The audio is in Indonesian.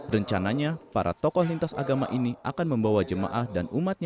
rencananya para tokoh lintas agama ini akan membawa jemaah dan umatnya